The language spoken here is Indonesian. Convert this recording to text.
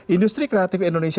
industri kreatif indonesia